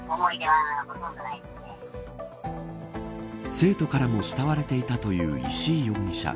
生徒からも慕われていたという石井容疑者